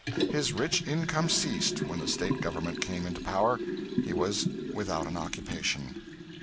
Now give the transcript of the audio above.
His rich income ceased when the State government came into power. He was without an occupation.